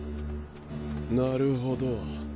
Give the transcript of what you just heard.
なるほど。